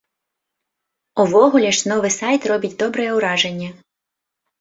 Увогуле ж новы сайт робіць добрае ўражанне.